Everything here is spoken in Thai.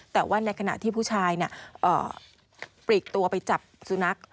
แต่ว่าในขณะที่ผู้ชายปลีกตัวไปจับสุนัข